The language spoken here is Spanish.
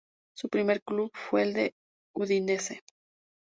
Su primer club fue el Udinese.